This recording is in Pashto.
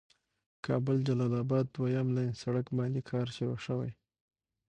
کابل جلال آباد دويم لين سړک باندې کار شروع شوي.